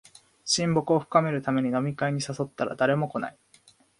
親睦を深めるために飲み会に誘ったら誰も来ない